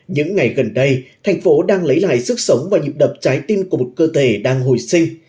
những ngày gần đây thành phố đang lấy lại sức sống và nhịp đập trái tim của một cơ thể đang hồi sinh